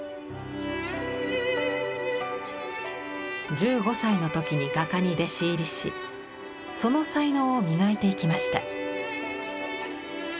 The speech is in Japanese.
１５歳の時に画家に弟子入りしその才能を磨いていきました。